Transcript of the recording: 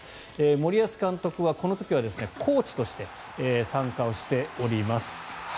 森保監督はこの時はコーチとして参加をしております。